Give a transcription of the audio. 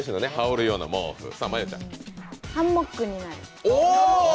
ハンモックになる。